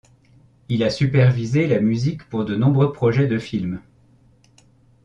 Il a supervisé la musique pour de nombreux projets de films.